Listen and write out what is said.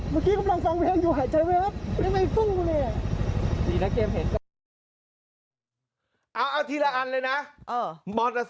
เมื่อกี้กำลังฟังเรื่องแล้วอยู่หายใจบ๊้ม